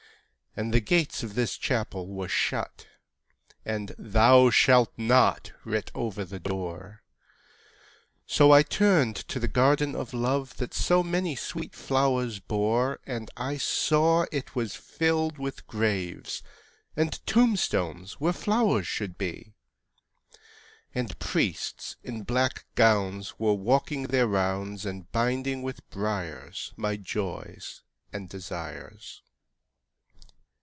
And the gates of this Chapel were shut, And 'Thou shalt not' writ over the door; So I turned to the Garden of Love That so many sweet flowers bore. And I saw it was filled with graves, And tombstones where flowers should be; And priests in black gowns were walking their rounds, And binding with briars my joys and desires.